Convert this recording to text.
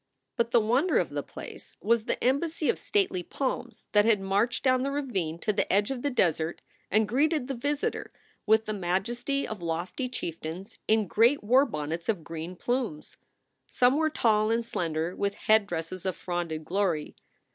But the wonder of the place was the embassy of stately palms that had marched down the ravine to the edge of the desert and greeted the visitor with the majesty of lofty SOULS FOR SALE 149 chieftains in great war bonnets of green plumes. Some were tall and slender, with headdresses of fronded glory.